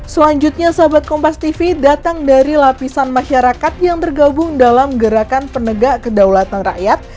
selanjutnya sahabat kompas tv datang dari lapisan masyarakat yang tergabung dalam gerakan penegak kedaulatan rakyat